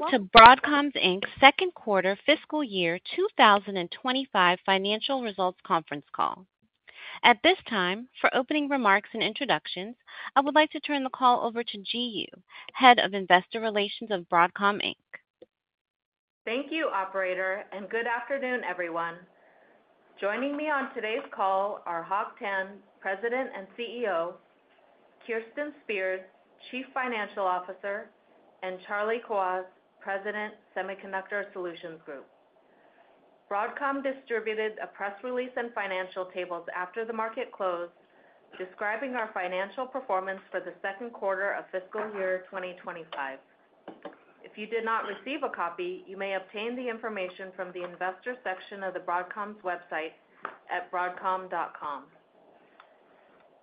Welcome to Broadcom's second quarter fiscal year 2025 financial results conference call. At this time, for opening remarks and introductions, I would like to turn the call over to Jihyung, Head of Investor Relations of Broadcom. Thank you, Operator, and good afternoon, everyone. Joining me on today's call are Hock Tan, President and CEO; Kirsten Spears, Chief Financial Officer; and Charlie Kawwas, President, Semiconductor Solutions Group. Broadcom distributed a press release and financial tables after the market closed, describing our financial performance for the second quarter of fiscal year 2025. If you did not receive a copy, you may obtain the information from the investor section of Broadcom's website at broadcom.com.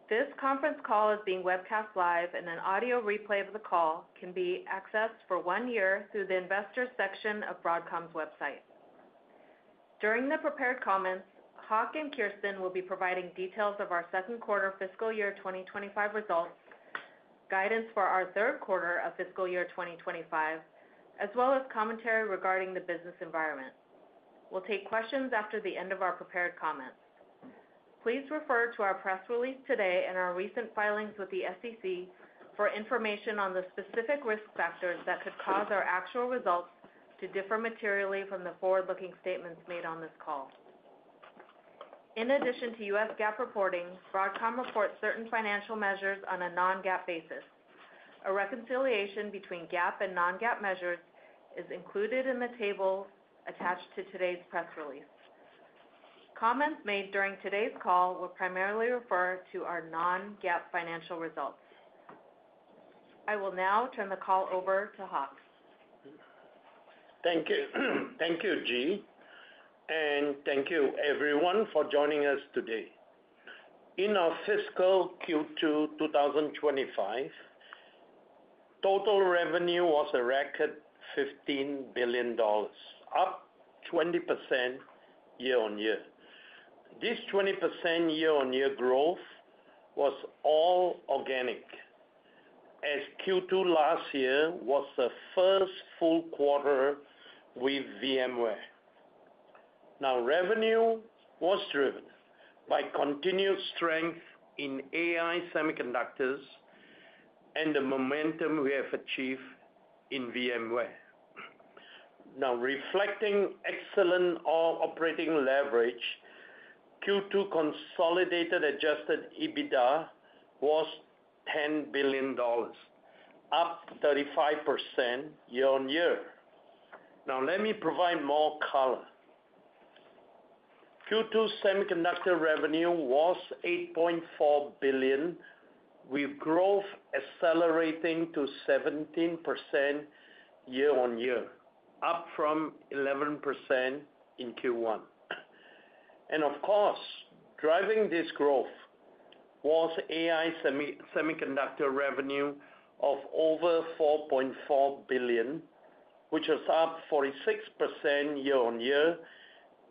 This conference call is being webcast live, and an audio replay of the call can be accessed for one year through the investor section of Broadcom's website. During the prepared comments, Hock and Kirsten will be providing details of our second quarter fiscal year 2025 results, guidance for our third quarter of fiscal year 2025, as well as commentary regarding the business environment. We'll take questions after the end of our prepared comments. Please refer to our press release today and our recent filings with the SEC for information on the specific risk factors that could cause our actual results to differ materially from the forward-looking statements made on this call. In addition to U.S. GAAP reporting, Broadcom reports certain financial measures on a non-GAAP basis. A reconciliation between GAAP and non-GAAP measures is included in the tables attached to today's press release. Comments made during today's call will primarily refer to our non-GAAP financial results. I will now turn the call over to Hock. Thank you, Jih, and thank you, everyone, for joining us today. In our fiscal Q2 2025, total revenue was a record $15 billion, up 20% year-on-year. This 20% year-on-year growth was all organic, as Q2 last year was the first full quarter with VMware. Now, revenue was driven by continued strength in AI semiconductors and the momentum we have achieved in VMware. Now, reflecting excellent operating leverage, Q2 consolidated adjusted EBITDA was $10 billion, up 35% year-on-year. Now, let me provide more color. Q2 semiconductor revenue was $8.4 billion, with growth accelerating to 17% year-on-year, up from 11% in Q1. And of course, driving this growth was AI semiconductor revenue of over $4.4 billion, which is up 46% year-on-year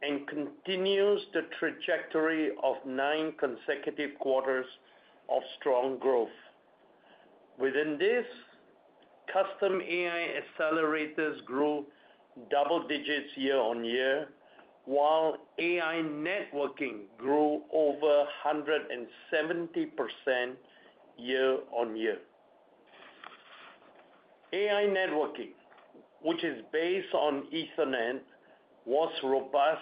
and continues the trajectory of nine consecutive quarters of strong growth. Within this, custom AI accelerators grew double digits year-on-year, while AI networking grew over 170% year-on-year. AI networking, which is based on Ethernet, was robust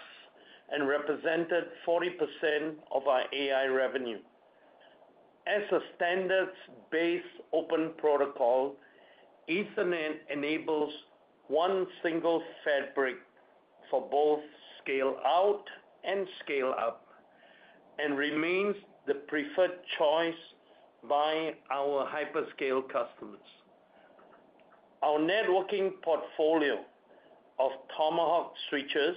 and represented 40% of our AI revenue. As a standards-based open protocol, Ethernet enables one single fabric for both scale-out and scale-up, and remains the preferred choice by our hyperscale customers. Our networking portfolio of Tomahawk switches,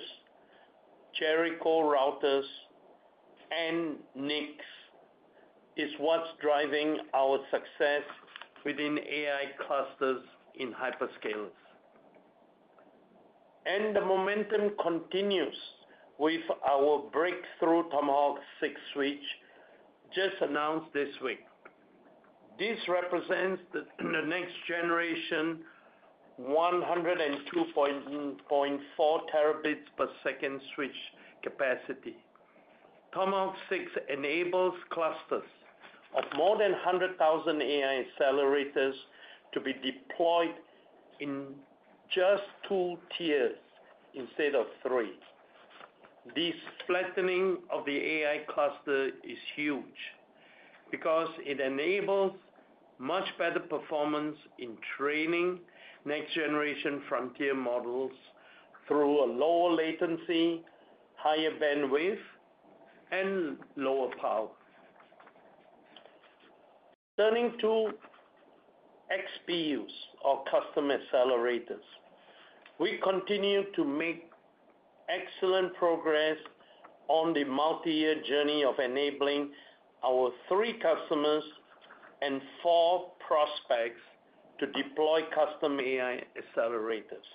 Jericho routers, and NICs is what's driving our success within AI clusters in hyperscalers. The momentum continues with our breakthrough Tomahawk 6 switch just announced this week. This represents the next generation 102.4 terabits per second switch capacity. Tomahawk 6 enables clusters of more than 100,000 AI accelerators to be deployed in just two tiers instead of three. This flattening of the AI cluster is huge because it enables much better performance in training next generation frontier models through a lower latency, higher bandwidth, and lower power. Turning to XPUs, or custom accelerators, we continue to make excellent progress on the multi-year journey of enabling our three customers and four prospects to deploy custom AI accelerators.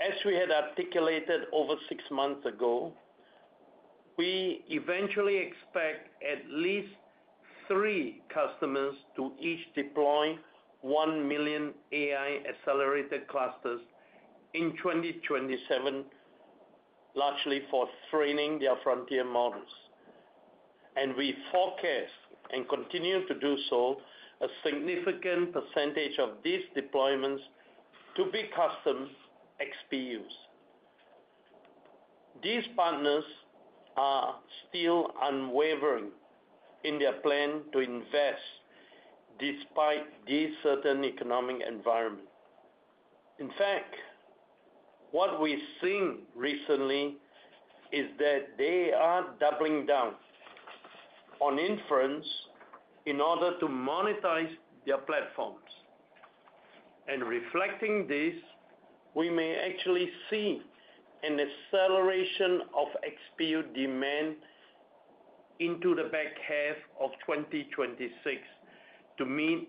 As we had articulated over six months ago, we eventually expect at least three customers to each deploy 1 million AI accelerator clusters in 2027, largely for training their frontier models. We forecast and continue to do so a significant percentage of these deployments to be custom XPUs. These partners are still unwavering in their plan to invest despite this certain economic environment. In fact, what we've seen recently is that they are doubling down on inference in order to monetize their platforms. Reflecting this, we may actually see an acceleration of XPU demand into the back half of 2026 to meet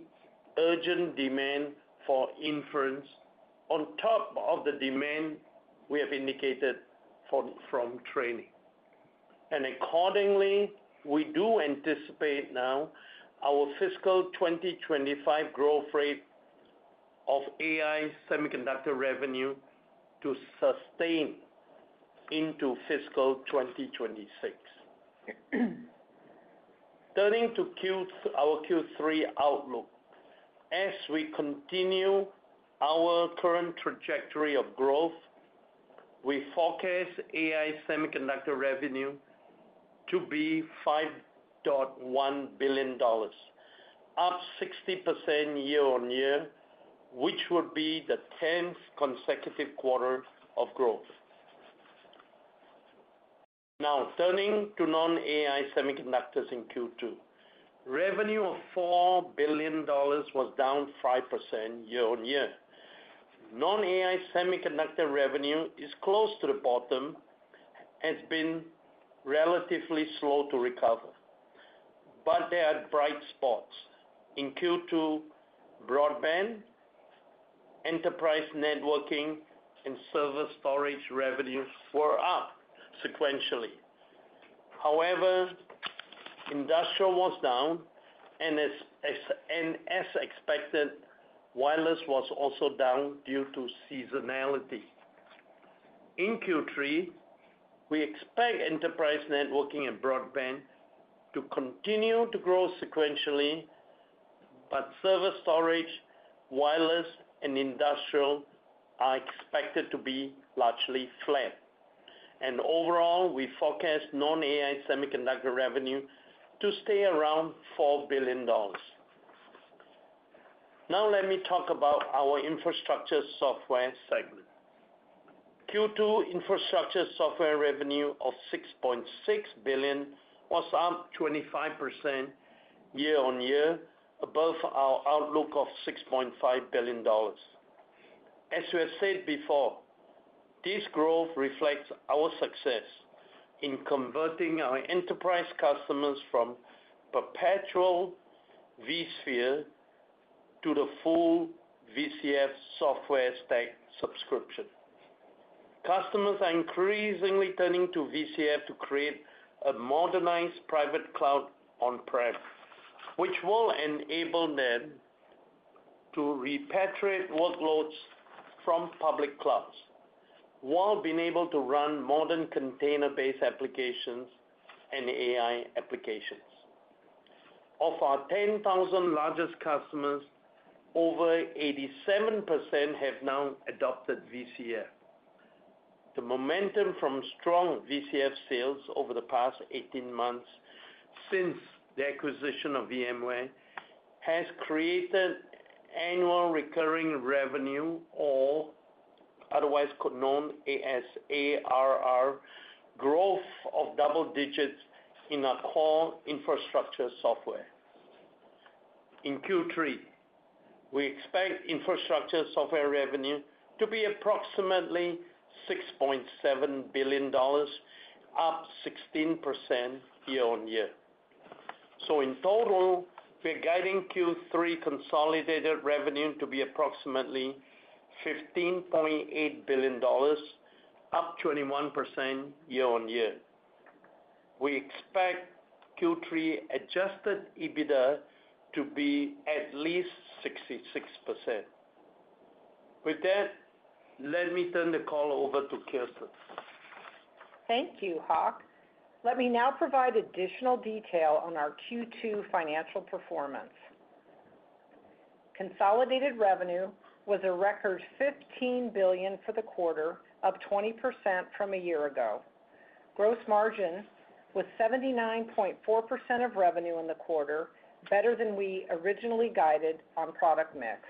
urgent demand for inference on top of the demand we have indicated from training. Accordingly, we do anticipate now our fiscal 2025 growth rate of AI semiconductor revenue to sustain into fiscal 2026. Turning to our Q3 outlook, as we continue our current trajectory of growth, we forecast AI semiconductor revenue to be $5.1 billion, up 60% year-on-year, which would be the 10th consecutive quarter of growth. Turning to non-AI semiconductors in Q2, revenue of $4 billion was down 5% year-on-year. Non-AI semiconductor revenue is close to the bottom and has been relatively slow to recover. There are bright spots. In Q2, broadband, enterprise networking, and server storage revenues were up sequentially. However, industrial was down, and as expected, wireless was also down due to seasonality. In Q3, we expect enterprise networking and broadband to continue to grow sequentially, but server storage, wireless, and industrial are expected to be largely flat. Overall, we forecast non-AI semiconductor revenue to stay around $4 billion. Now, let me talk about our infrastructure software segment. Q2 infrastructure software revenue of $6.6 billion was up 25% year-on-year, above our outlook of $6.5 billion. As we have said before, this growth reflects our success in converting our enterprise customers from perpetual vSphere to the full VCF software stack subscription. Customers are increasingly turning to VCF to create a modernized private cloud on-prem, which will enable them to repatriate workloads from public clouds while being able to run modern container-based applications and AI applications. Of our 10,000 largest customers, over 87% have now adopted VCF. The momentum from strong VCF sales over the past 18 months since the acquisition of VMware has created annual recurring revenue, or otherwise known as ARR, growth of double digits in our core infrastructure software. In Q3, we expect infrastructure software revenue to be approximately $6.7 billion, up 16% year-on-year. In total, we're guiding Q3 consolidated revenue to be approximately $15.8 billion, up 21% year-on-year. We expect Q3 adjusted EBITDA to be at least 66%. With that, let me turn the call over to Kirsten. Thank you, Hock. Let me now provide additional detail on our Q2 financial performance. Consolidated revenue was a record $15 billion for the quarter, up 20% from a year ago. Gross margin was 79.4% of revenue in the quarter, better than we originally guided on product mix.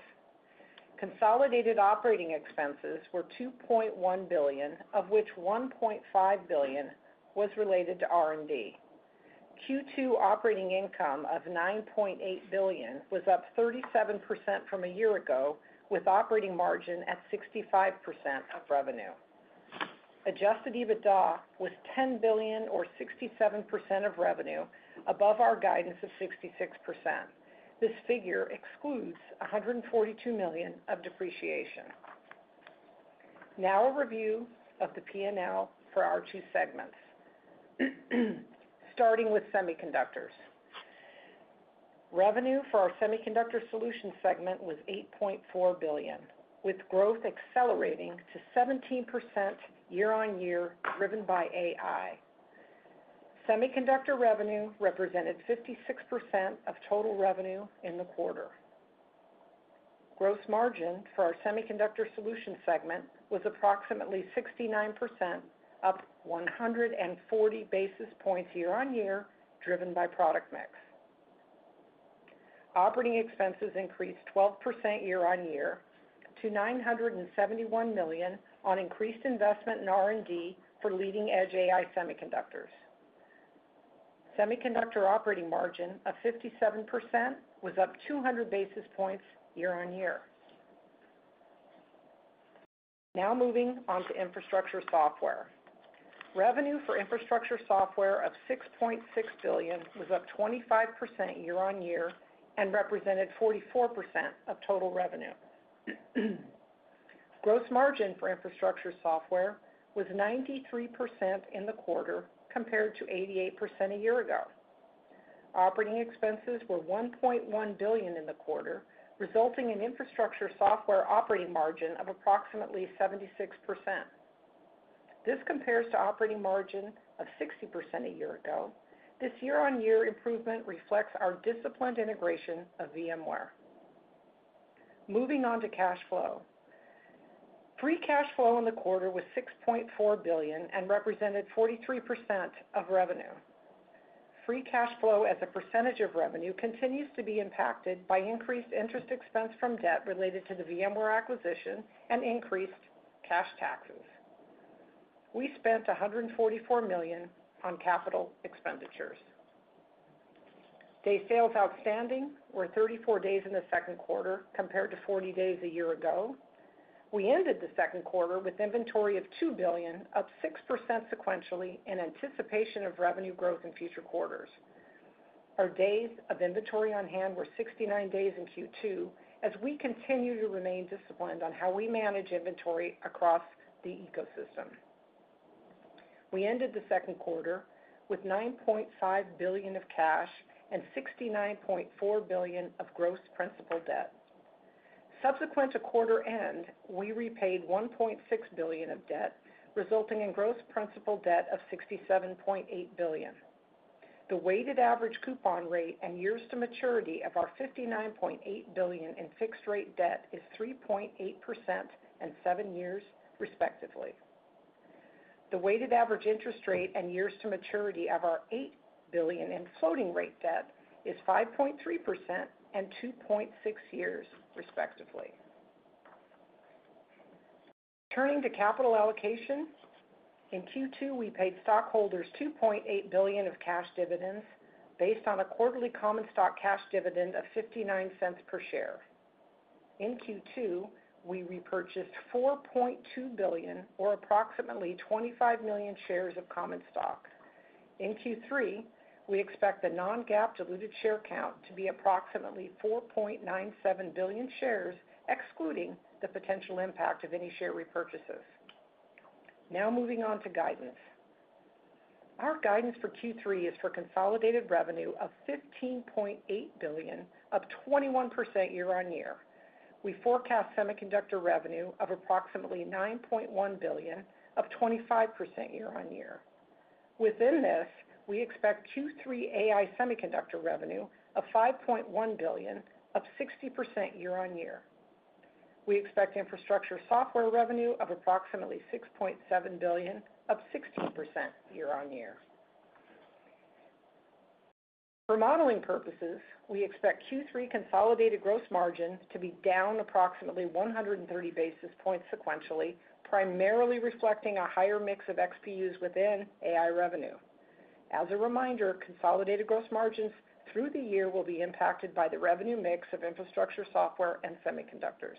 Consolidated operating expenses were $2.1 billion, of which $1.5 billion was related to R&D. Q2 operating income of $9.8 billion was up 37% from a year ago, with operating margin at 65% of revenue. Adjusted EBITDA was $10 billion, or 67% of revenue, above our guidance of 66%. This figure excludes $142 million of depreciation. Now, a review of the P&L for our two segments, starting with semiconductors. Revenue for our semiconductor solution segment was $8.4 billion, with growth accelerating to 17% year-on-year, driven by AI. Semiconductor revenue represented 56% of total revenue in the quarter. Gross margin for our semiconductor solution segment was approximately 69%, up 140 basis points year-on-year, driven by product mix. Operating expenses increased 12% year-on-year to $971 million on increased investment in R&D for leading-edge AI semiconductors. Semiconductor operating margin of 57% was up 200 basis points year-on-year. Now, moving on to infrastructure software. Revenue for infrastructure software of $6.6 billion was up 25% year-on-year and represented 44% of total revenue. Gross margin for infrastructure software was 93% in the quarter compared to 88% a year ago. Operating expenses were $1.1 billion in the quarter, resulting in infrastructure software operating margin of approximately 76%. This compares to operating margin of 60% a year ago. This year-on-year improvement reflects our disciplined integration of VMware. Moving on to cash flow. Free cash flow in the quarter was $6.4 billion and represented 43% of revenue. Free cash flow as a percentage of revenue continues to be impacted by increased interest expense from debt related to the VMware acquisition and increased cash taxes. We spent $144 million on capital expenditures. Day sales outstanding were 34 days in the second quarter compared to 40 days a year ago. We ended the second quarter with inventory of $2 billion, up 6% sequentially in anticipation of revenue growth in future quarters. Our days of inventory on hand were 69 days in Q2, as we continue to remain disciplined on how we manage inventory across the ecosystem. We ended the second quarter with $9.5 billion of cash and $69.4 billion of gross principal debt. Subsequent to quarter end, we repaid $1.6 billion of debt, resulting in gross principal debt of $67.8 billion. The weighted average coupon rate and years to maturity of our $59.8 billion in fixed-rate debt is 3.8% and 7 years, respectively. The weighted average interest rate and years to maturity of our $8 billion in floating-rate debt is 5.3% and 2.6 years, respectively. Turning to capital allocation, in Q2, we paid stockholders $2.8 billion of cash dividends based on a quarterly common stock cash dividend of $0.59 per share. In Q2, we repurchased $4.2 billion, or approximately 25 million shares of common stock. In Q3, we expect the non-GAAP diluted share count to be approximately 4.97 billion shares, excluding the potential impact of any share repurchases. Now, moving on to guidance. Our guidance for Q3 is for consolidated revenue of $15.8 billion, up 21% year-on-year. We forecast semiconductor revenue of approximately $9.1 billion, up 25% year-on-year. Within this, we expect Q3 AI semiconductor revenue of $5.1 billion, up 60% year-on-year. We expect infrastructure software revenue of approximately $6.7 billion, up 16% year-on-year. For modeling purposes, we expect Q3 consolidated gross margin to be down approximately 130 basis points sequentially, primarily reflecting a higher mix of XPUs within AI revenue. As a reminder, consolidated gross margins through the year will be impacted by the revenue mix of infrastructure software and semiconductors.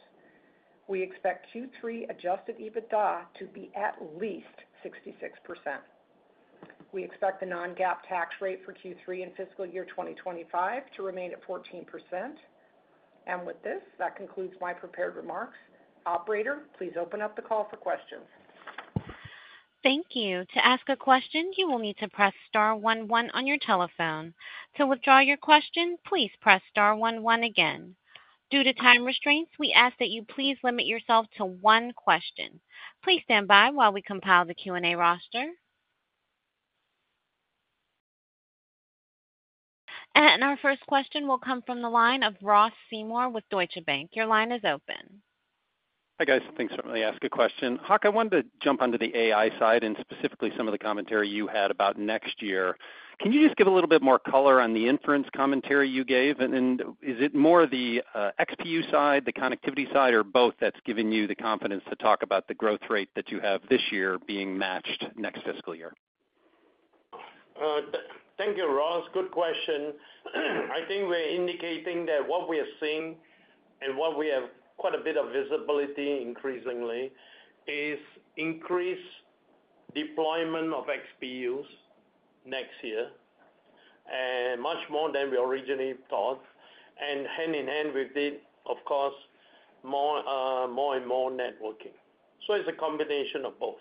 We expect Q3 adjusted EBITDA to be at least 66%. We expect the non-GAAP tax rate for Q3 in fiscal year 2025 to remain at 14%. With this, that concludes my prepared remarks. Operator, please open up the call for questions. Thank you. To ask a question, you will need to press star one one on your telephone. To withdraw your question, please press star one one again. Due to time restraints, we ask that you please limit yourself to one question. Please stand by while we compile the Q&A roster. Our first question will come from the line of Ross Seymore with Deutsche Bank. Your line is open. Hi, guys. Thanks for letting me ask a question. Hock, I wanted to jump onto the AI side and specifically some of the commentary you had about next year. Can you just give a little bit more color on the inference commentary you gave? Is it more the XPU side, the connectivity side, or both that's giving you the confidence to talk about the growth rate that you have this year being matched next fiscal year? Thank you, Ross. Good question. I think we're indicating that what we are seeing and what we have quite a bit of visibility increasingly is increased deployment of XPUs next year, much more than we originally thought, and hand in hand with it, of course, more and more networking. It is a combination of both.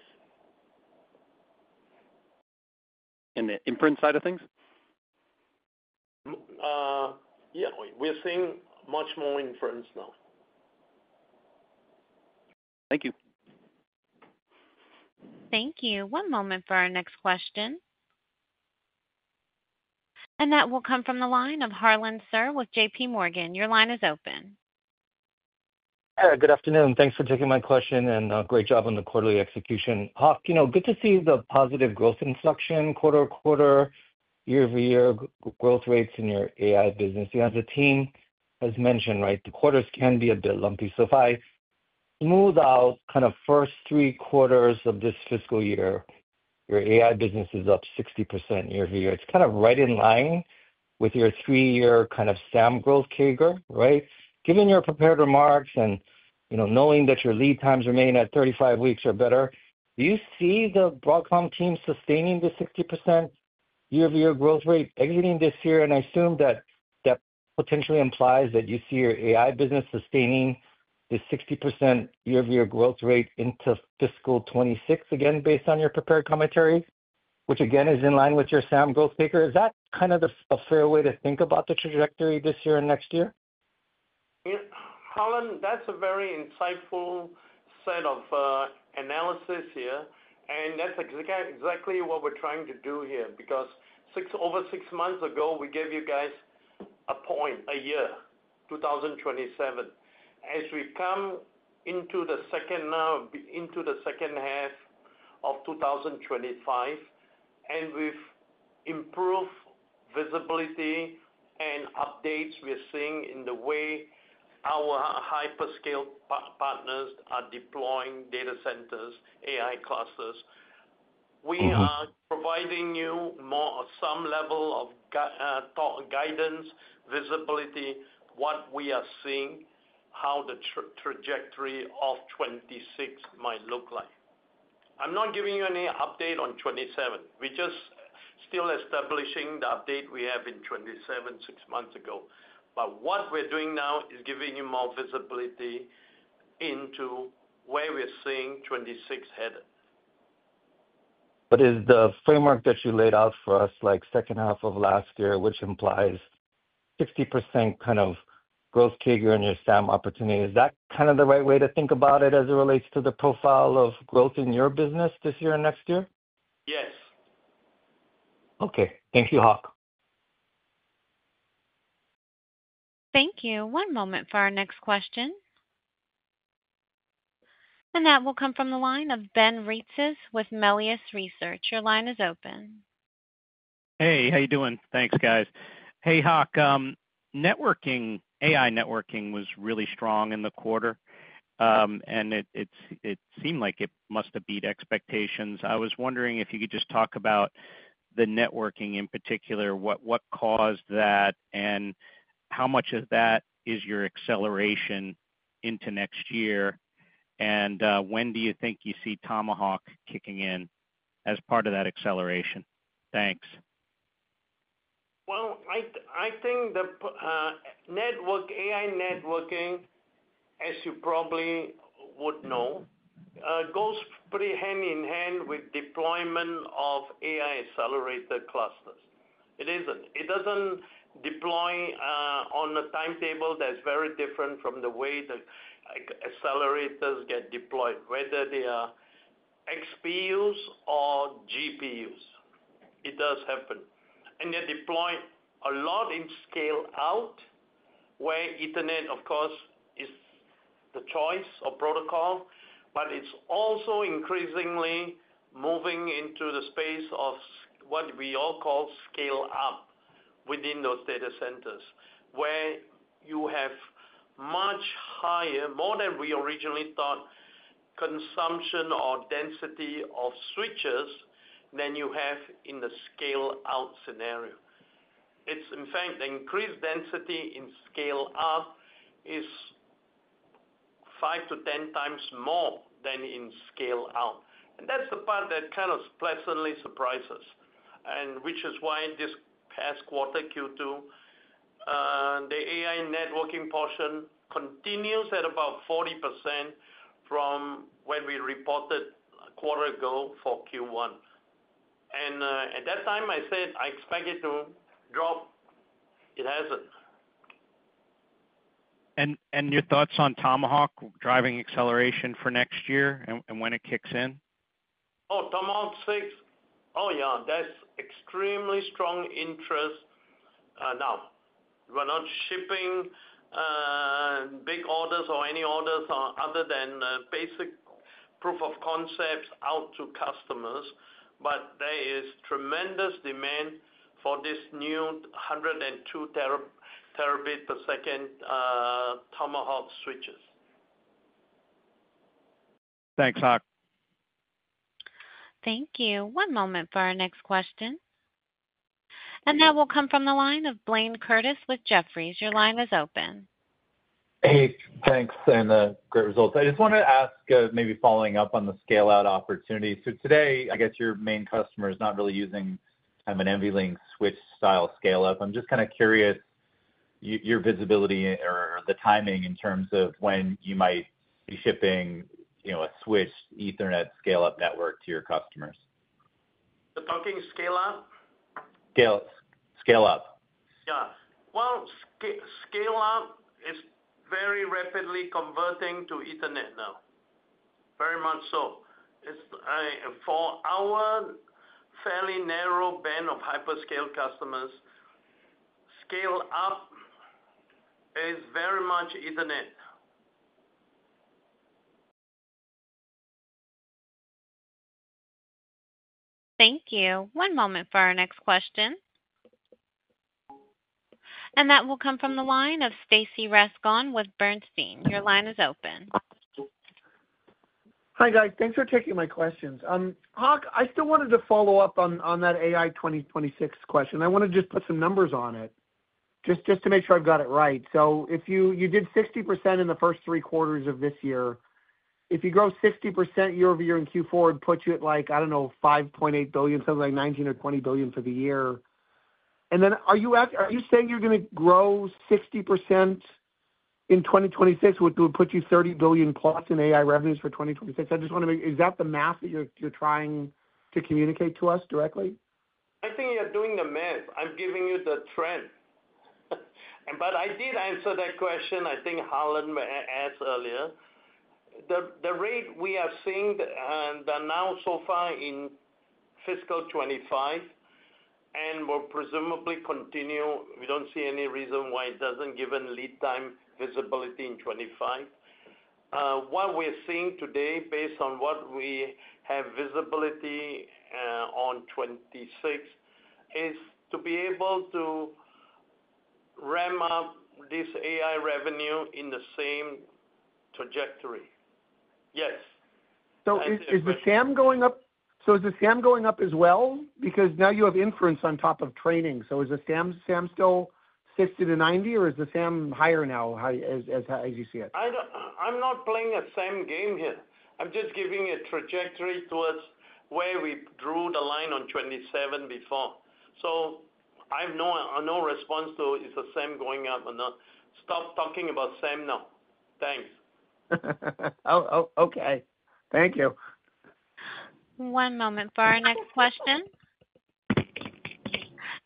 The inference side of things? Yeah. We're seeing much more inference now. Thank you. Thank you. One moment for our next question. That will come from the line of Harlan Sur with JPMorgan. Your line is open. Good afternoon. Thanks for taking my question and great job on the quarterly execution. Hock, good to see the positive growth inflection quarter to quarter, year over year growth rates in your AI business. As the team has mentioned, the quarters can be a bit lumpy. If I smooth out kind of first three quarters of this fiscal year, your AI business is up 60% year over year. It is kind of right in line with your three-year kind of SAM growth figure. Given your prepared remarks and knowing that your lead times remain at 35 weeks or better, do you see the Broadcom team sustaining the 60% year over year growth rate exiting this year? I assume that that potentially implies that you see your AI business sustaining the 60% year over year growth rate into fiscal 2026, again, based on your prepared commentary, which again is in line with your SAM growth figure. Is that kind of a fair way to think about the trajectory this year and next year? Harlan, that's a very insightful set of analysis here. That's exactly what we're trying to do here because over six months ago, we gave you guys a point, a year, 2027. As we come into the second half of 2025 and with improved visibility and updates we're seeing in the way our hyperscale partners are deploying data centers, AI clusters, we are providing you some level of guidance, visibility, what we are seeing, how the trajectory of 2026 might look like. I'm not giving you any update on 2027. We're just still establishing the update we have in 2027 six months ago. What we're doing now is giving you more visibility into where we're seeing 2026 headed. Is the framework that you laid out for us, like second half of last year, which implies 60% kind of growth figure in your SAM opportunity, is that kind of the right way to think about it as it relates to the profile of growth in your business this year and next year? Yes. Okay. Thank you, Hock. Thank you. One moment for our next question. That will come from the line of Ben Reitzes with Melius Research. Your line is open. Hey, how you doing? Thanks, guys. Hey, Hock. AI networking was really strong in the quarter, and it seemed like it must have beat expectations. I was wondering if you could just talk about the networking in particular, what caused that, and how much of that is your acceleration into next year? When do you think you see Tomahawk kicking in as part of that acceleration? Thanks. I think AI networking, as you probably would know, goes pretty hand in hand with deployment of AI accelerator clusters. It does not deploy on a timetable that is very different from the way the accelerators get deployed, whether they are XPUs or GPUs. It does happen. They deploy a lot in scale-out where Ethernet, of course, is the choice or protocol, but it is also increasingly moving into the space of what we all call scale-up within those data centers, where you have much higher, more than we originally thought, consumption or density of switches than you have in the scale-out scenario. In fact, the increased density in scale-up is 5-10 times more than in scale-out. That is the part that kind of pleasantly surprised us, which is why this past quarter, Q2, the AI networking portion continues at about 40% from what we reported a quarter ago for Q1. At that time, I said I expect it to drop. It has not. Your thoughts on Tomahawk driving acceleration for next year and when it kicks in? Oh, Tomahawk 6. Oh, yeah. That's extremely strong interest. Now, we're not shipping big orders or any orders other than basic proof of concepts out to customers, but there is tremendous demand for this new 102 terabit per second Tomahawk switches. Thanks, Hock. Thank you. One moment for our next question. That will come from the line of Blayne Curtis with Jefferies. Your line is open. Hey. Thanks. Great results. I just wanted to ask maybe following up on the scale-out opportunity. Today, I guess your main customer is not really using an NVLink switch-style scale-up. I'm just kind of curious your visibility or the timing in terms of when you might be shipping a switch Ethernet scale-up network to your customers. The talking scale-up. Scale-up. Yeah. Scale-up is very rapidly converting to Ethernet now, very much so. For our fairly narrow band of hyperscale customers, scale-up is very much Ethernet. Thank you. One moment for our next question. That will come from the line of Stacy Rasgon with Bernstein. Your line is open. Hi, guys. Thanks for taking my questions. Hock, I still wanted to follow up on that AI 2026 question. I want to just put some numbers on it just to make sure I've got it right. So you did 60% in the first three quarters of this year. If you grow 60% year over year in Q4, it'd put you at, I don't know, $5.8 billion, something like $19 billion or $20 billion for the year. And then are you saying you're going to grow 60% in 2026, which would put you $30 billion plus in AI revenues for 2026? I just want to make sure. Is that the math that you're trying to communicate to us directly? I think you're doing the math. I'm giving you the trend. I did answer that question, I think Harlan asked earlier. The rate we are seeing now so far in fiscal 2025, and we'll presumably continue. We don't see any reason why it doesn't, given lead time visibility in 2025. What we're seeing today, based on what we have visibility on 2026, is to be able to ramp up this AI revenue in the same trajectory. Yes. Is the SAM going up? Is the SAM going up as well? Because now you have inference on top of training. Is the SAM still 60-90, or is the SAM higher now as you see it? I'm not playing a SAM game here. I'm just giving a trajectory towards where we drew the line on 2027 before. So I have no response to is the SAM going up or not. Stop talking about SAM now. Thanks. Okay. Thank you. One moment for our next question.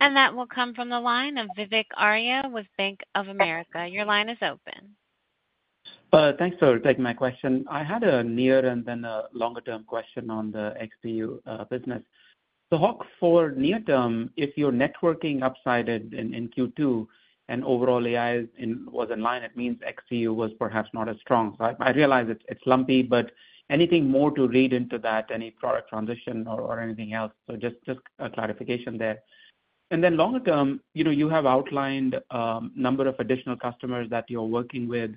That will come from the line of Vivek Arya with Bank of America. Your line is open. Thanks for taking my question. I had a near and then a longer-term question on the XPU business. Hock, for near term, if your networking upside in Q2 and overall AI was in line, it means XPU was perhaps not as strong. I realize it's lumpy, but anything more to read into that, any product transition or anything else? Just a clarification there. Longer term, you have outlined a number of additional customers that you're working with.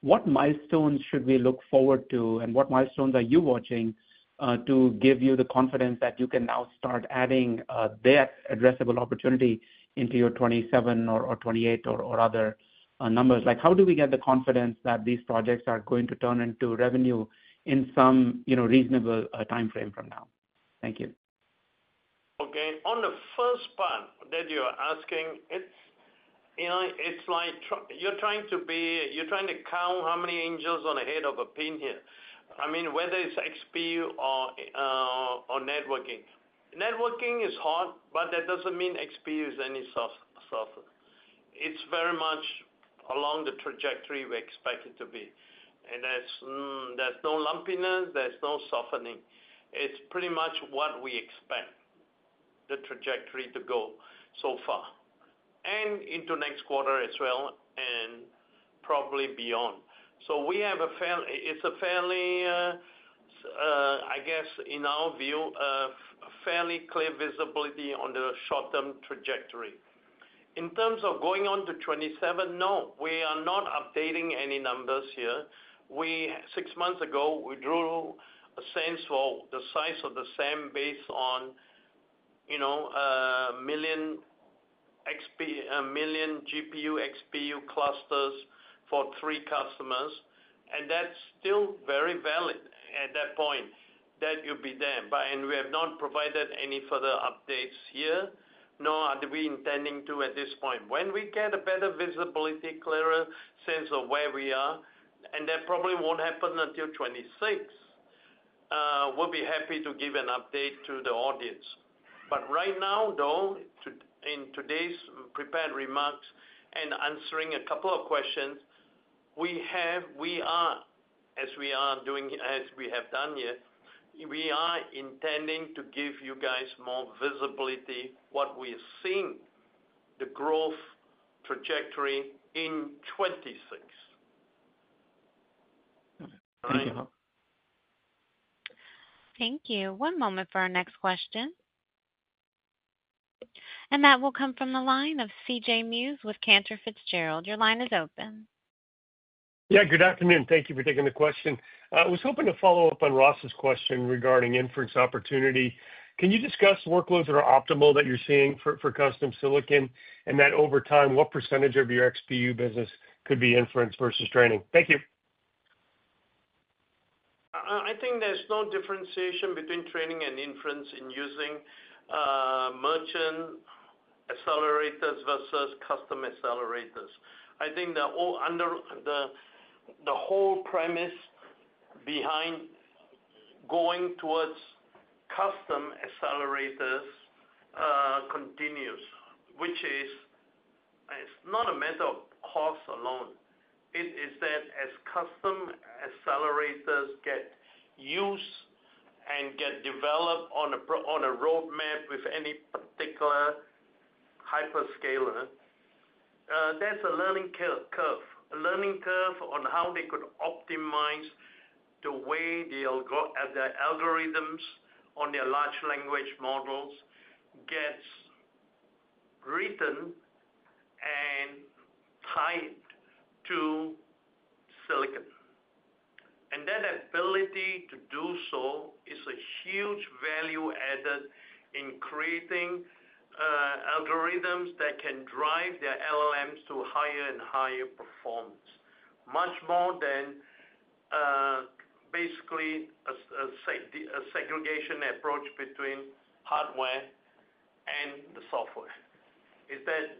What milestones should we look forward to, and what milestones are you watching to give you the confidence that you can now start adding that addressable opportunity into your 2027 or 2028 or other numbers? How do we get the confidence that these projects are going to turn into revenue in some reasonable timeframe from now? Thank you. Okay. On the first part that you're asking, it's like you're trying to count how many angels on the head of a pin here. I mean, whether it's XPU or networking. Networking is hot, but that doesn't mean XPU is any softer. It's very much along the trajectory we expect it to be. There's no lumpiness. There's no softening. It's pretty much what we expect the trajectory to go so far and into next quarter as well and probably beyond. We have a fairly—it's a fairly, I guess, in our view, a fairly clear visibility on the short-term trajectory. In terms of going on to 2027, no, we are not updating any numbers here. Six months ago, we drew a sense for the size of the SAM based on a million GPU XPU clusters for three customers. That is still very valid at that point that you will be there. We have not provided any further updates here, nor are we intending to at this point. When we get better visibility, a clearer sense of where we are, and that probably will not happen until 2026, we will be happy to give an update to the audience. Right now, though, in today's prepared remarks and answering a couple of questions, we are, as we have done here, intending to give you guys more visibility of what we are seeing, the growth trajectory in 2026. Thank you, Hock. Thank you. One moment for our next question. That will come from the line of CJ Muse with Cantor Fitzgerald. Your line is open. Yeah. Good afternoon. Thank you for taking the question. I was hoping to follow up on Ross's question regarding inference opportunity. Can you discuss workloads that are optimal that you're seeing for custom silicon? And that over time, what percentage of your XPU business could be inference versus training? Thank you. I think there's no differentiation between training and inference in using merchant accelerators versus custom accelerators. I think the whole premise behind going towards custom accelerators continues, which is not a matter of cost alone. It is that as custom accelerators get used and get developed on a roadmap with any particular hyperscaler, there's a learning curve, a learning curve on how they could optimize the way their algorithms on their large language models get written and tied to silicon. That ability to do so is a huge value added in creating algorithms that can drive their LLMs to higher and higher performance, much more than basically a segregation approach between hardware and the software.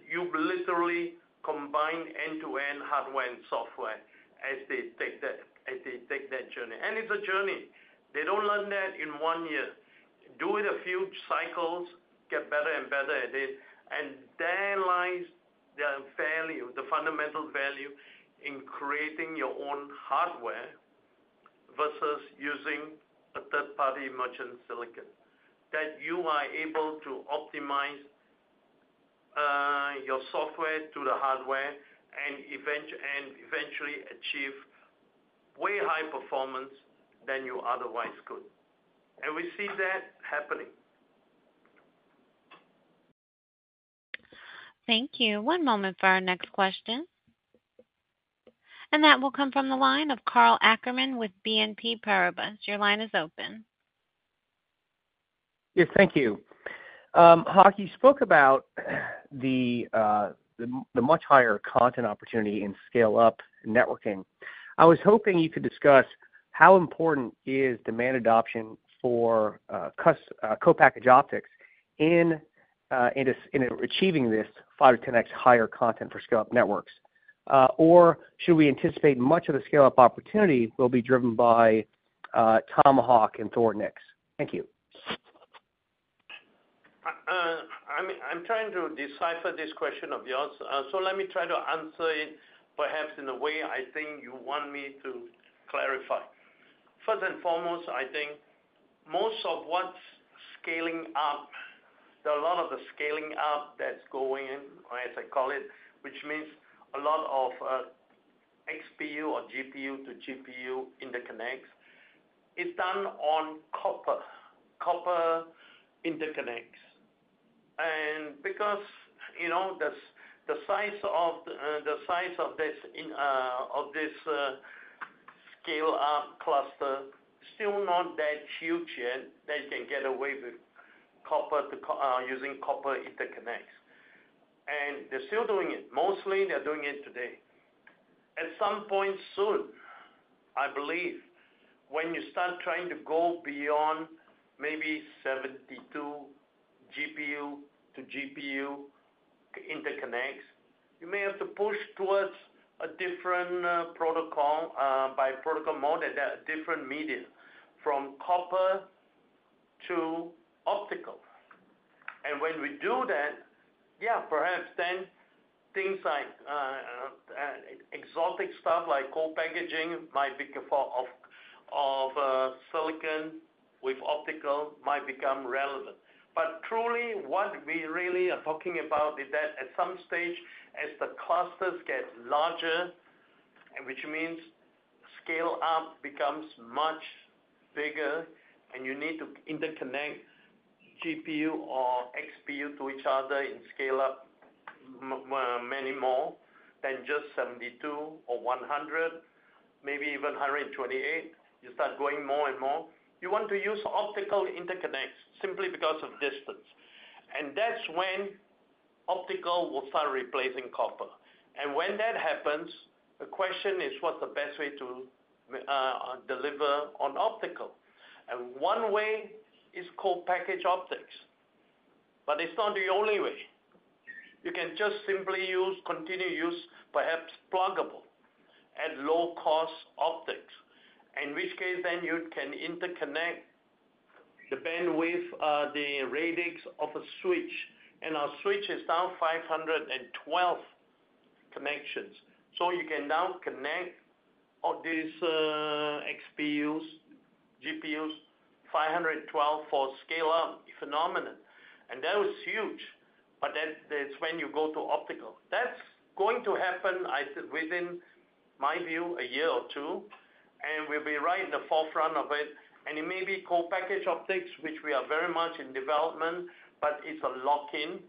You literally combine end-to-end hardware and software as they take that journey. It is a journey. They don't learn that in one year. Do it a few cycles, get better and better at it, and then realize the fundamental value in creating your own hardware versus using a third-party merchant silicon. You are able to optimize your software to the hardware and eventually achieve way higher performance than you otherwise could. We see that happening. Thank you. One moment for our next question. That will come from the line of Karl Ackerman with BNP Paribas. Your line is open. Yes. Thank you. Hock, you spoke about the much higher content opportunity in scale-up networking. I was hoping you could discuss how important is demand adoption for copackage optics in achieving this 5-10x higher content for scale-up networks? Or should we anticipate much of the scale-up opportunity will be driven by Tomahawk and Thor NICs? Thank you. I'm trying to decipher this question of yours. Let me try to answer it perhaps in a way I think you want me to clarify. First and foremost, I think most of what's scaling up, a lot of the scaling up that's going in, as I call it, which means a lot of XPU or GPU to GPU interconnects, is done on copper interconnects. Because the size of this scale-up cluster is still not that huge yet, you can get away with using copper interconnects. They're still doing it. Mostly, they're doing it today. At some point soon, I believe, when you start trying to go beyond maybe 72 GPU to GPU interconnects, you may have to push towards a different protocol mode at a different media from copper to optical. When we do that, yeah, perhaps then things like exotic stuff like copackaging might become of silicon with optical might become relevant. Truly, what we really are talking about is that at some stage, as the clusters get larger, which means scale-up becomes much bigger, and you need to interconnect GPU or XPU to each other in scale-up, many more than just 72 or 100, maybe even 128. You start going more and more. You want to use optical interconnects simply because of distance. That is when optical will start replacing copper. When that happens, the question is, what's the best way to deliver on optical? One way is copackage optics, but it's not the only way. You can just simply use continuous, perhaps pluggable, at low-cost optics, in which case then you can interconnect the bandwidth, the radix of a switch. Our switch is now 512 connections. You can now connect all these XPUs, GPUs, 512 for scale-up phenomenon. That was huge. When you go to optical, that's going to happen, in my view, within a year or two. We will be right in the forefront of it. It may be copackage optics, which we are very much in development, but it is a lock-in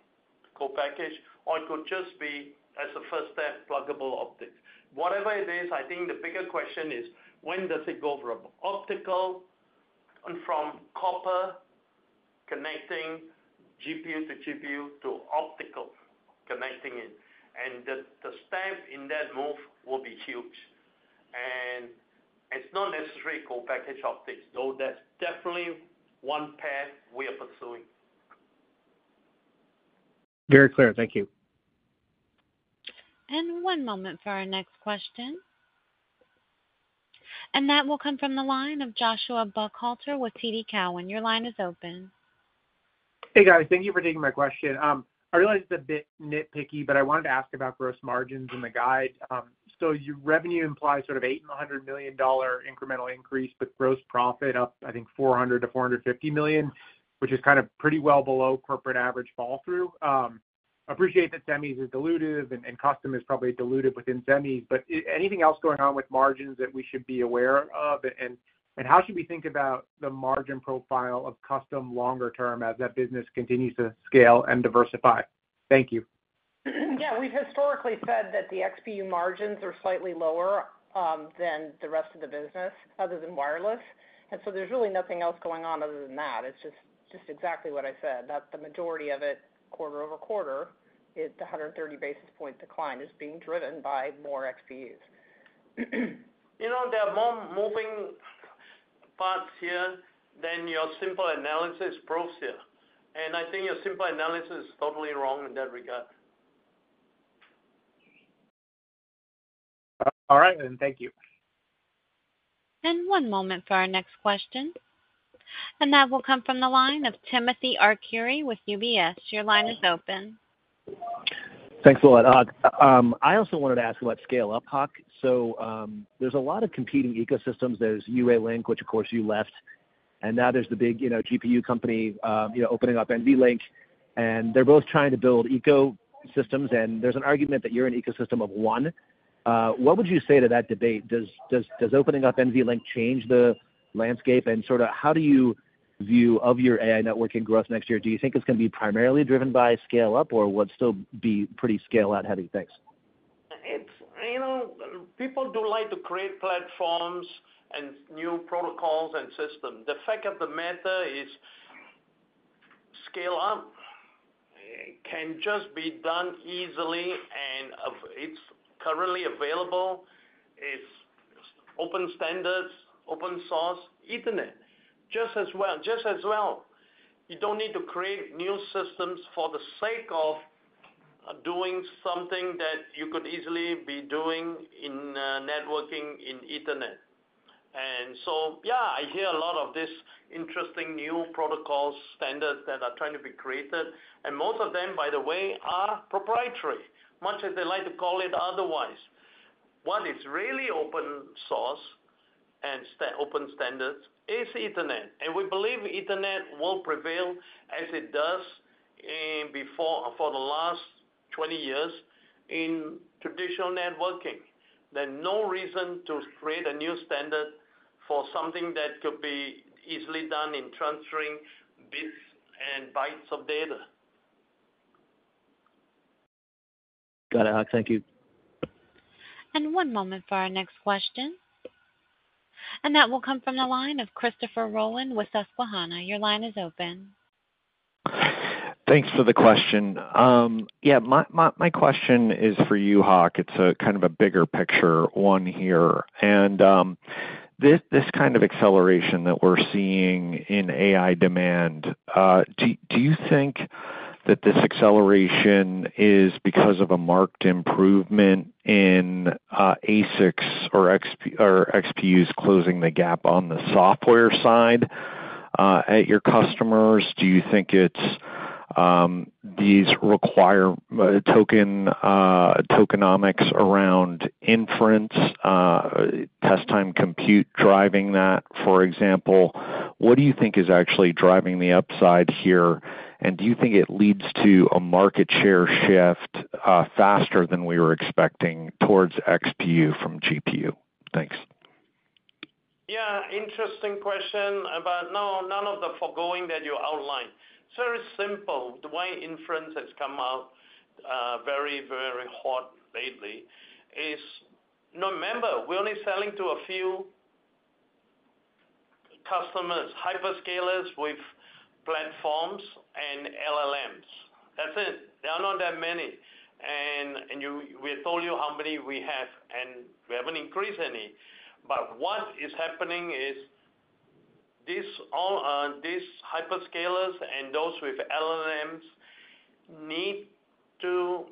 copackage. It could just be, as a first step, pluggable optics. Whatever it is, I think the bigger question is, when does it go from optical and from copper connecting GPU to GPU to optical connecting it? The step in that move will be huge. It is not necessarily copackage optics, though that is definitely one path we are pursuing. Very clear. Thank you. One moment for our next question. That will come from the line of Joshua Buchalter with TD Cowen. Your line is open. Hey, guys. Thank you for taking my question. I realize it's a bit nitpicky, but I wanted to ask about gross margins in the guide. Your revenue implies sort of $800 million incremental increase, but gross profit up, I think, $400 million-$450 million, which is kind of pretty well below corporate average fall-through. I appreciate that SEMIs is dilutive and custom is probably dilutive within SEMIs. Anything else going on with margins that we should be aware of? How should we think about the margin profile of custom longer term as that business continues to scale and diversify? Thank you. Yeah. We've historically said that the XPU margins are slightly lower than the rest of the business, other than wireless. There is really nothing else going on other than that. It is just exactly what I said, that the majority of it, quarter over quarter, the 130 basis point decline is being driven by more XPUs. There are more moving parts here than your simple analysis proves here. I think your simple analysis is totally wrong in that regard. All right then. Thank you. One moment for our next question. That will come from the line of Timothy Arcuri with UBS. Your line is open. Thanks a lot, Hock. I also wanted to ask about scale-up, Hock. There's a lot of competing ecosystems. There's UA Link, which of course you left. Now there's the big GPU company opening up NVLink. They're both trying to build ecosystems. There's an argument that you're an ecosystem of one. What would you say to that debate? Does opening up NVLink change the landscape? How do you view your AI networking growth next year? Do you think it's going to be primarily driven by scale-up or will it still be pretty scale-out heavy things? People do like to create platforms and new protocols and systems. The fact of the matter is scale-up can just be done easily. It is currently available. It is open standards, open source, Ethernet. Just as well. You do not need to create new systems for the sake of doing something that you could easily be doing in networking in Ethernet. Yeah, I hear a lot of these interesting new protocols, standards that are trying to be created. Most of them, by the way, are proprietary, much as they like to call it otherwise. What is really open source and open standards is Ethernet. We believe Ethernet will prevail as it does for the last 20 years in traditional networking. There is no reason to create a new standard for something that could be easily done in transferring bits and bytes of data. Got it, Hock. Thank you. One moment for our next question. That will come from the line of Christopher Rolland with Susquehanna. Your line is open. Thanks for the question. Yeah. My question is for you, Hock. It's kind of a bigger picture one here. And this kind of acceleration that we're seeing in AI demand, do you think that this acceleration is because of a marked improvement in ASICs or XPUs closing the gap on the software side at your customers? Do you think it's these tokenomics around inference, test-time compute driving that? For example, what do you think is actually driving the upside here? And do you think it leads to a market share shift faster than we were expecting towards XPU from GPU? Thanks. Yeah. Interesting question. No, none of the foregoing that you outlined. It's very simple. The way inference has come out very, very hot lately is, remember, we're only selling to a few customers, hyperscalers with platforms and LLMs. That's it. There are not that many. We told you how many we have, and we haven't increased any. What is happening is these hyperscalers and those with LLMs need to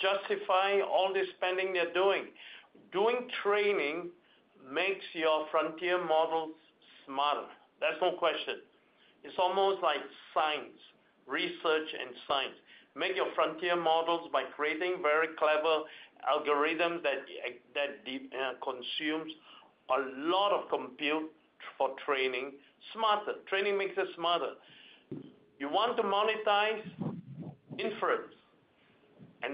justify all this spending they're doing. Doing training makes your frontier models smarter. That's no question. It's almost like research and science. Make your frontier models by creating very clever algorithms that consume a lot of compute for training smarter. Training makes it smarter. You want to monetize inference.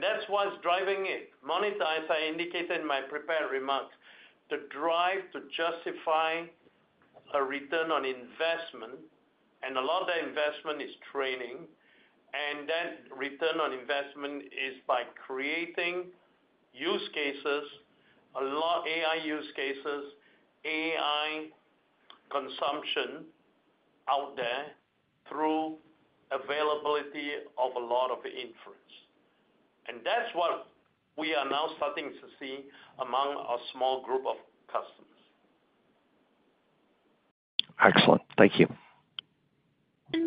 That's what's driving it. Monetize, I indicated in my prepared remarks, to drive to justify a return on investment. A lot of that investment is training. That return on investment is by creating use cases, a lot of AI use cases, AI consumption out there through availability of a lot of inference. That is what we are now starting to see among a small group of customers. Excellent. Thank you.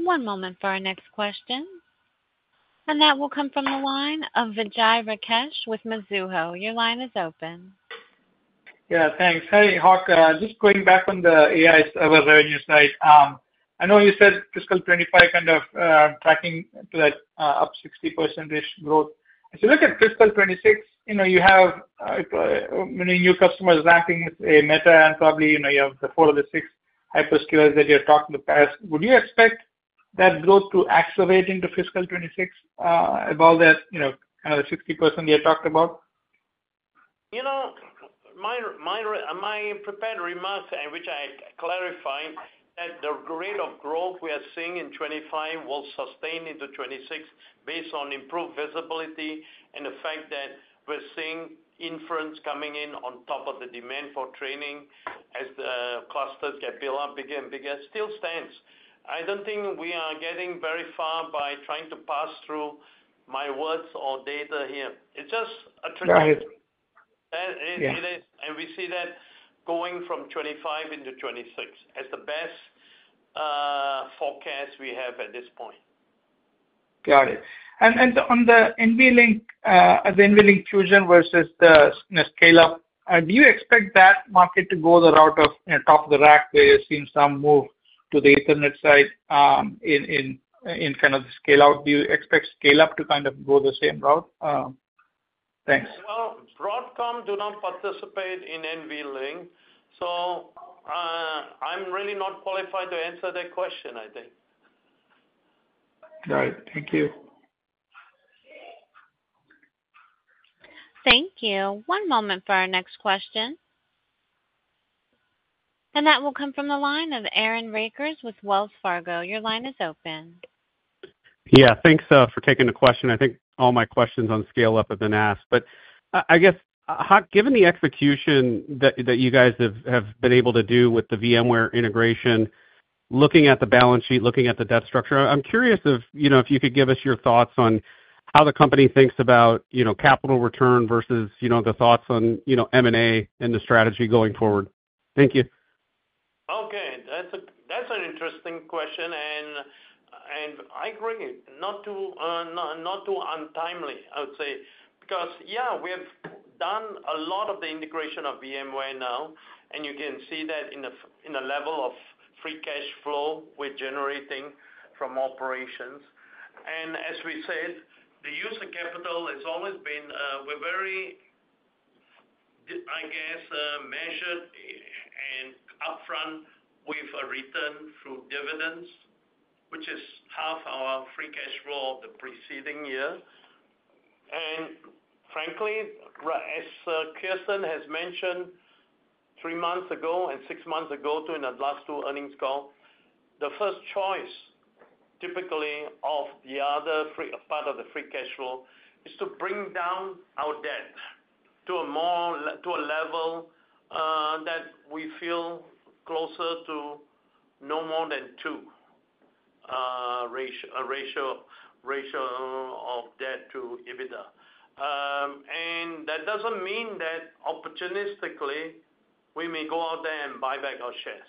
One moment for our next question. That will come from the line of Vijay Rakesh with Mizuho. Your line is open. Yeah. Thanks. Hey, Hock. Just going back on the AI server revenue side, I know you said fiscal 2025 kind of tracking to that up 60%-ish growth. If you look at fiscal 2026, you have many new customers racking with a Meta and probably you have the four or the six hyperscalers that you're talking about. Would you expect that growth to accelerate into fiscal 2026 above that kind of 60% you talked about? My prepared remarks, which I clarified, that the rate of growth we are seeing in 2025 will sustain into 2026 based on improved visibility and the fact that we're seeing inference coming in on top of the demand for training as the clusters get bigger and bigger and bigger still stands. I don't think we are getting very far by trying to pass through my words or data here. It's just a trick. Got it. We see that going from 2025 into 2026 as the best forecast we have at this point. Got it. On the NVLink, the NVLink Fusion versus the scale-up, do you expect that market to go the route of top of the rack where you're seeing some move to the Ethernet side in kind of the scale-out? Do you expect scale-up to kind of go the same route? Thanks. Broadcom do not participate in NVLink. So I'm really not qualified to answer that question, I think. Got it. Thank you. Thank you. One moment for our next question. That will come from the line of Aaron Rakers with Wells Fargo. Your line is open. Yeah. Thanks for taking the question. I think all my questions on scale-up have been asked. I guess, Hock, given the execution that you guys have been able to do with the VMware integration, looking at the balance sheet, looking at the debt structure, I'm curious if you could give us your thoughts on how the company thinks about capital return versus the thoughts on M&A and the strategy going forward. Thank you. Okay. That's an interesting question. I agree. Not too untimely, I would say. Because, yeah, we have done a lot of the integration of VMware now. You can see that in the level of free cash flow we're generating from operations. As we said, the use of capital has always been very, I guess, measured and upfront with a return through dividends, which is half our free cash flow of the preceding year. Frankly, as Kirsten has mentioned three months ago and six months ago during the last two earnings call, the first choice typically of the other part of the free cash flow is to bring down our debt to a level that we feel closer to no more than two ratio of debt to EBITDA. That does not mean that opportunistically we may go out there and buy back our shares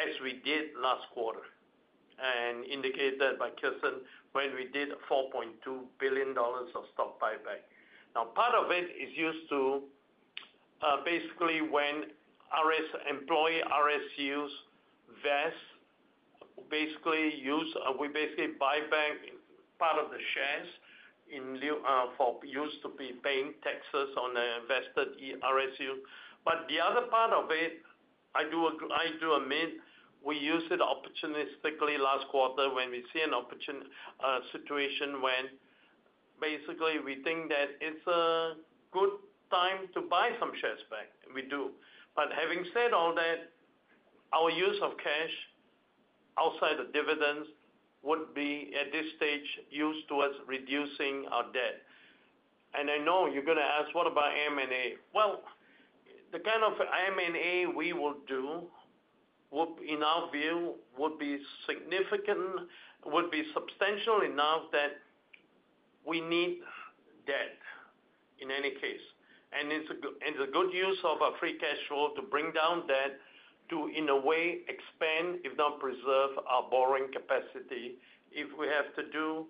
as we did last quarter. As indicated by Kirsten when we did $4.2 billion of stock buyback. Now, part of it is used to basically when employee RSUs vest, we basically buy back part of the shares used to be paying taxes on the vested RSU. The other part of it, I do admit we used opportunistically last quarter when we see an opportunity situation when basically we think that it is a good time to buy some shares back. We do. Having said all that, our use of cash outside of dividends would be at this stage used towards reducing our debt. I know you are going to ask, what about M&A? The kind of M&A we will do in our view would be significant, would be substantial enough that we need debt in any case. It is a good use of our free cash flow to bring down debt to, in a way, expand, if not preserve, our borrowing capacity if we have to do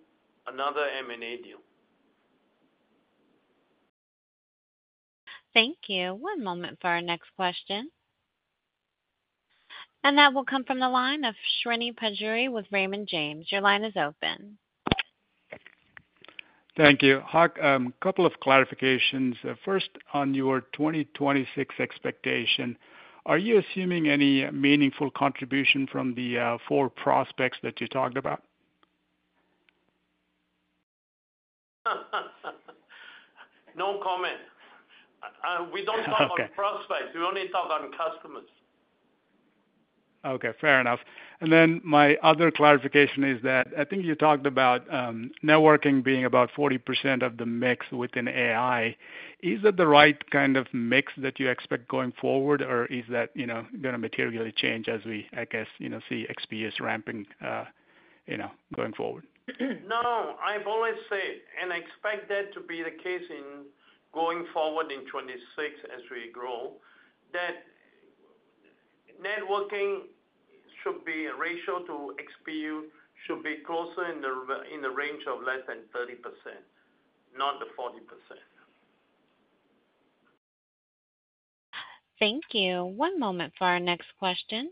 another M&A deal. Thank you. One moment for our next question. That will come from the line of Srini Pajjuri with Raymond James. Your line is open. Thank you. Hock, a couple of clarifications. First, on your 2026 expectation, are you assuming any meaningful contribution from the four prospects that you talked about? No comment. We don't talk on prospects. We only talk on customers. Okay. Fair enough. My other clarification is that I think you talked about networking being about 40% of the mix within AI. Is that the right kind of mix that you expect going forward, or is that going to materially change as we, I guess, see XPUs ramping going forward? No. I've always said and expect that to be the case going forward in 2026 as we grow, that networking should be a ratio to XPU should be closer in the range of less than 30%, not the 40%. Thank you. One moment for our next question.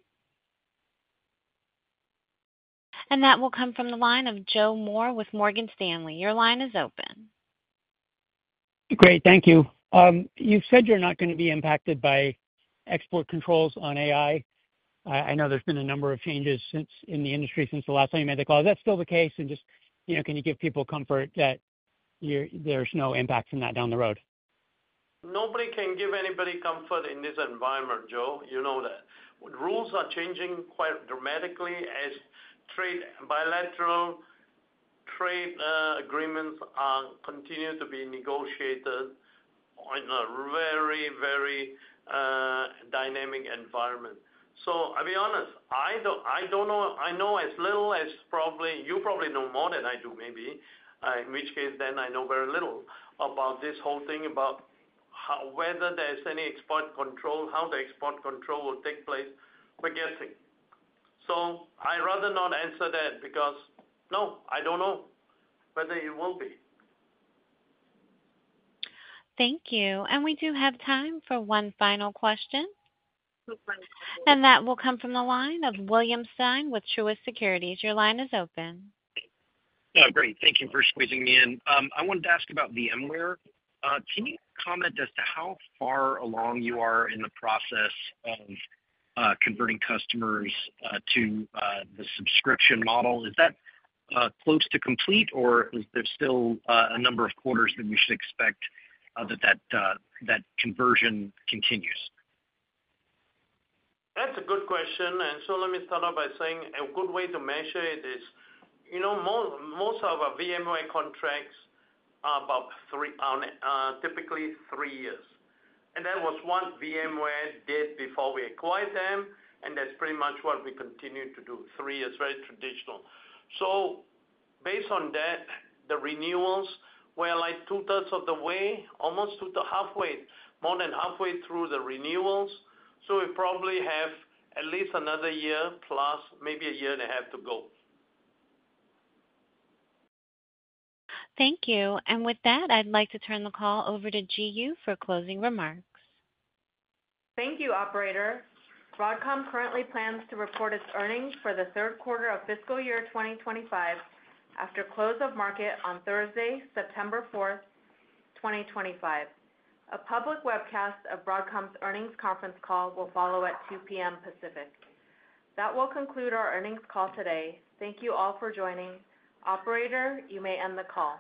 That will come from the line of Joe Moore with Morgan Stanley. Your line is open. Great. Thank you. You've said you're not going to be impacted by export controls on AI. I know there's been a number of changes in the industry since the last time you made the call. Is that still the case? Can you give people comfort that there's no impact from that down the road? Nobody can give anybody comfort in this environment, Joe. You know that. Rules are changing quite dramatically as bilateral trade agreements continue to be negotiated in a very, very dynamic environment. I'll be honest, I don't know. I know as little as probably you probably know more than I do, maybe, in which case then I know very little about this whole thing about whether there's any export control, how the export control will take place. We're guessing. I'd rather not answer that because, no, I don't know whether it will be. Thank you. We do have time for one final question. That will come from the line of William Stein with Truist Securities. Your line is open. Yeah. Great. Thank you for squeezing me in. I wanted to ask about VMware. Can you comment as to how far along you are in the process of converting customers to the subscription model? Is that close to complete, or is there still a number of quarters that we should expect that that conversion continues? That's a good question. Let me start off by saying a good way to measure it is most of our VMware contracts are typically three years. That was what VMware did before we acquired them. That's pretty much what we continue to do, three years, very traditional. Based on that, the renewals were like two-thirds of the way, almost halfway, more than halfway through the renewals. We probably have at least another year plus maybe a year and a half to go. Thank you. And with that, I'd like to turn the call over to Jihyung for closing remarks. Thank you, operator. Broadcom currently plans to report its earnings for the third quarter of fiscal year 2025 after close of market on Thursday, September 4, 2025. A public webcast of Broadcom's earnings conference call will follow at 2:00 P.M. Pacific. That will conclude our earnings call today. Thank you all for joining. Operator, you may end the call.